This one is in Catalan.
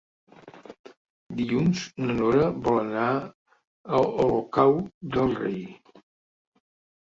Dilluns na Nora vol anar a Olocau del Rei.